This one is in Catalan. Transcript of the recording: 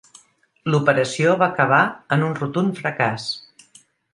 L'operació va acabar en un rotund fracàs.